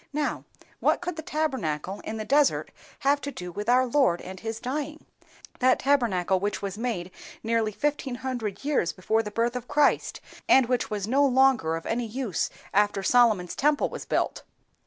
Now, what could the Tabernacle in the desert have do with our Lord and His dying,—that Tabernacle which was made nearly fifteen hundred years before the birth of Christ, and which was no longer of any use after Solomon's temple was built?"